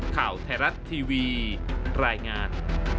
ข่าวไทยรัฐทีวีรายงาน